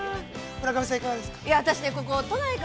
村上さん、いかがですか。